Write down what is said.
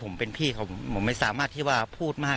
ผมเป็นพี่เขาผมไม่สามารถที่ว่าพูดมาก